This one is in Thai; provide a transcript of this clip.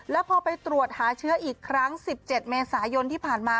แล้วพอไปตรวจหาเชื้ออีกครั้ง๑๗เมษายนที่ผ่านมา